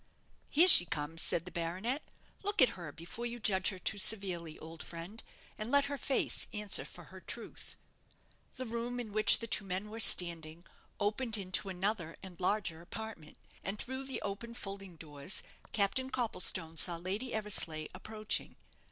"Here she comes!" said the baronet; "look at her before you judge her too severely, old friend, and let her face answer for her truth." The room in which the two men were standing opened into another and larger apartment, and through the open folding doors Captain Copplestone saw Lady Eversleigh approaching.